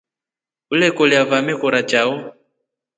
Ulekolya vamekora chao.